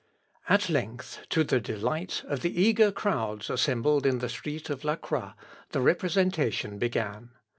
At length, to the delight of the eager crowds assembled in the street of La Croix, the representation began.